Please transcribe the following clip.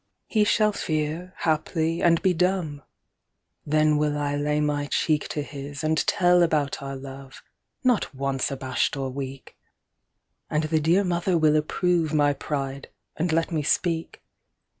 He shall fear, haply, and be dumb:Then will I lay my cheekTo his, and tell about our love, Not once abash'd or weak:And the dear Mother will approveMy pride, and let me speak.